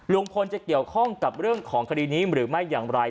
ลุงพลจะเกี่ยวข้องกับเรื่องของคดีนี้หรือไม่อย่างไร